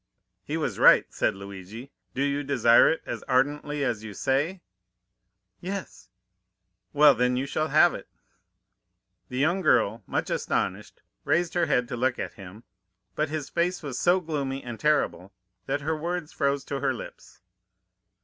"'He was right,' said Luigi. 'Do you desire it as ardently as you say?' "'Yes.' "'Well, then, you shall have it!' "The young girl, much astonished, raised her head to look at him, but his face was so gloomy and terrible that her words froze to her lips.